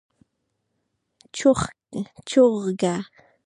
🐦 چوغکه